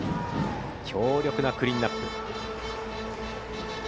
強力なクリーンナップ。